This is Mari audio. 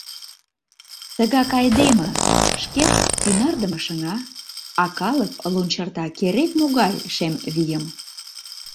Тыгак айдеме: шкет — ӱнардыме шыҥа, А калык лунчырта керек-могай шем вийым.